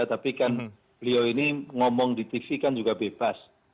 tapi kan beliau ini ngomong di tv kan juga bebas